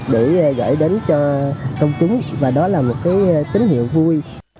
để gửi đến cho công chúng và đó là một cái tín hiệu vui